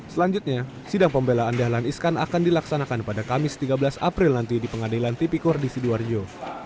selanjutnya sidang pembelaan dahlan iskan akan dilaksanakan pada kamis tiga belas april nanti di pengadilan tipikor di sidoarjo